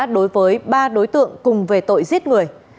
đối với ba đối tượng cùng về tội giết người